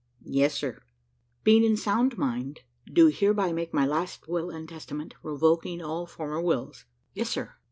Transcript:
"Yes, sir." "Being in sound mind, do hereby make my last will and testament, revoking all former wills." "Yes, sir."